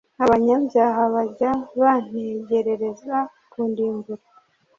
Abanyabyaha bajya bantegerereza kundimbura